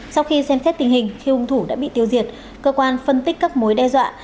sau khi xem xét tình hình khi hung thủ đã bị tiêu diệt cơ quan phân tích các mối đe dọa